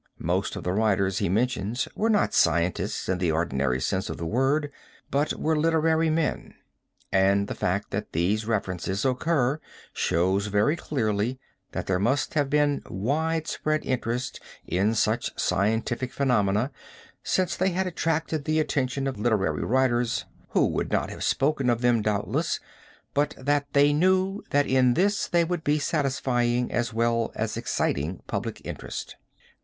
Most of the writers he mentions were not scientists in the ordinary sense of the word but were literary men, and the fact that these references occur shows very clearly that there must have been wide spread interest in such scientific phenomena, since they had attracted the attention of literary writers, who would not have spoken of them doubtless, but that they knew that in this they would be satisfying as well as exciting public interest.